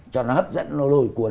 cho nó hấp dẫn nó lồi cuốn